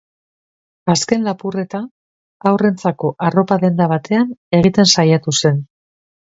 Azken lapurreta haurrentzako arropa denda batean egiten saiatu zen.